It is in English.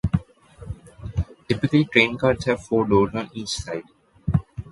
Typically, train cars have four doors on each side.